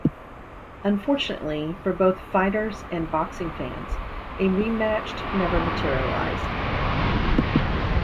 Unfortunately for both fighters and boxing fans, a rematched never materialized.